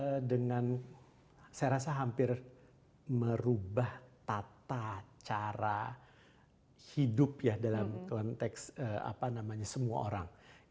saya dengan saya rasa hampir merubah tata cara hidup ya dalam konteks apa namanya semua orang